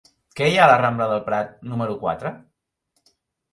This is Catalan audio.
Què hi ha a la rambla de Prat número quatre?